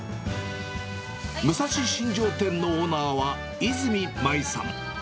武蔵新城店のオーナーは、泉麻衣さん。